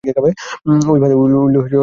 Will, বাদ দে।